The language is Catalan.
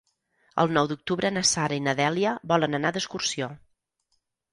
El nou d'octubre na Sara i na Dèlia volen anar d'excursió.